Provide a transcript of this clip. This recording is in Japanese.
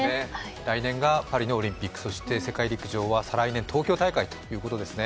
来年がパリのオリンピック世界陸上は再来年、東京大会ということですね。